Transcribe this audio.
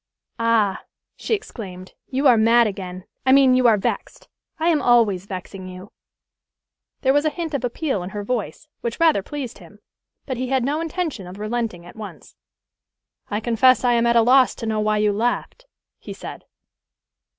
"Ah!" she exclaimed, "you are mad again I mean, you are vexed. I am always vexing you." There was a hint of appeal in her voice, which rather pleased him; but he had no intention of relenting at once. "I confess I am at a loss to know why you laughed," he said.